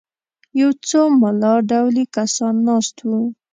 یو څو ملا ډولي کسان ناست وو.